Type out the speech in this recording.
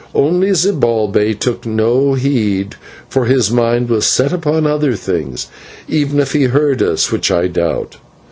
Only Zibalbay took no heed, for his mind was set upon other things, even if he heard us, which I doubt.